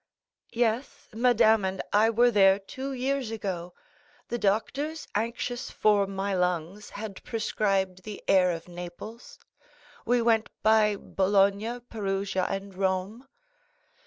"Yes; madame and I were there two years ago. The doctors, anxious for my lungs, had prescribed the air of Naples. We went by Bologna, Perugia, and Rome."